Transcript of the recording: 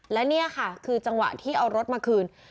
และนี่ค่ะคือจังหวะที่เอารถมาคืน